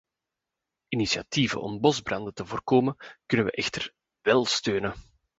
Initiatieven om bosbranden te voorkomen kunnen wij echter wel steunen.